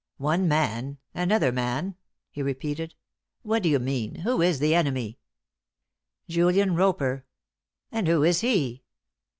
"One man another man?" he repeated. "What do you mean? Who is the enemy?" "Julian Roper." "And who is he?"